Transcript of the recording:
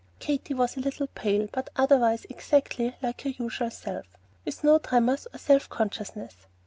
Katy was a little pale, but otherwise exactly like her usual self, with no tremors or self consciousness.